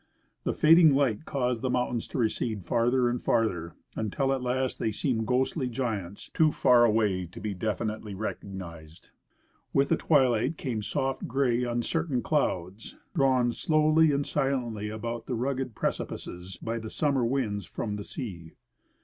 The fading light caused the mountains to recede farther and farther, until at last they seemed ghostly giants, too far away to be definitely recognized. With the twilight came soft, gray, uncertain clouds drawn slowly and silently about the rugged precipices by the summer winds from the sea.